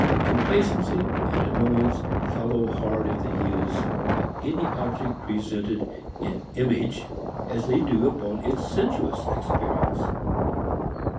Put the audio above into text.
Complacency and annoyance follow hard at the heels of any object presented in image as they do upon its sensuous experience.